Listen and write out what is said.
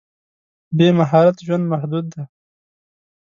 بې مهارت ژوند محدود دی.